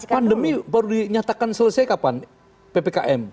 pandemi baru dinyatakan selesai kapan ppkm